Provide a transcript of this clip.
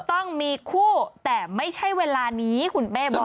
ต้องมีคู่แต่ไม่ใช่เวลานี้คุณเป้บอก